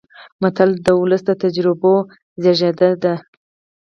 متل د ولس د تجربو زېږنده ده